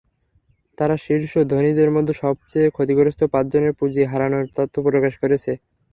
তারা শীর্ষ ধনীদের মধ্যে সবচেয়ে ক্ষতিগ্রস্ত পাঁচজনের পুঁজি হারানোর তথ্য প্রকাশ করেছে।